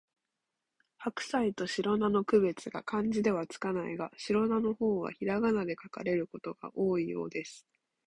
ハクサイとシロナの区別が漢字で付かないが、シロナの方はひらがなで書かれることが多いようです